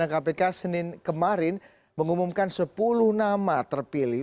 pansel calon pimpinan kpk senin kemarin mengumumkan sepuluh nama terpilih